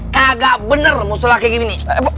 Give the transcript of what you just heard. kagak bener mushollah kayak gini